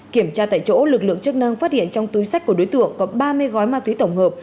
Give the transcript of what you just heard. kiểm tra tại chỗ lực lượng chức năng phát hiện trong túi sách của đối tượng có ba mươi gói ma túy tổng hợp